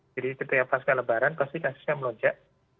jadi setiap pasca lebaran pasti kasusnya melojak